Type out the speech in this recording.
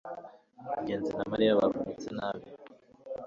ngenzi na mariya baravunitse nabi